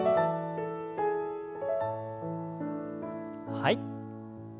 はい。